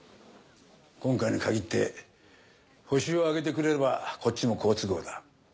今回に限ってホシを挙げてくれればこっちも好都合だ。